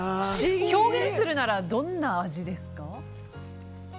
表現するならどんな味ですか？